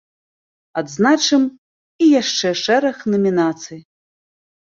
Адзначым і яшчэ шэраг намінацый.